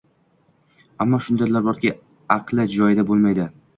ammo shundaylar borki, aqli joyida boʻlmaydi.